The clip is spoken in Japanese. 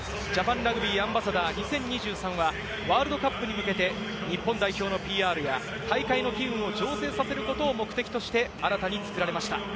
ジャパンラグビーアンバサダー２０２３はワールドカップに向けて日本代表のＰＲや、大会の機運を醸成させることを目的として、新たに作られました。